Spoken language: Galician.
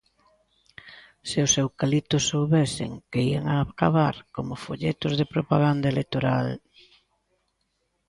Se os eucaliptos soubesen que ían acabar como folletos de propaganda electoral...